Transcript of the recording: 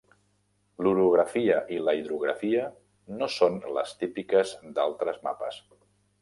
L'orografia i la hidrografia no són les típiques d'altres mapes.